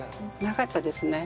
なかったですね。